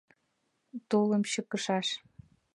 — Тулым чыкышаш!